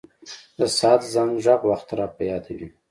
د ساعت زنګ ږغ وخت را په یادوي.